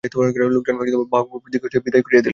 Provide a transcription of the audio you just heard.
লোকজন বাহক প্রভৃতিকে বিদায় করিয়া দিলেন।